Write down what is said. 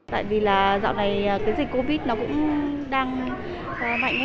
tại vì dạo này dịch covid cũng đang mạnh